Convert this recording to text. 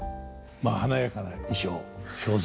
まあ華やかな衣装装束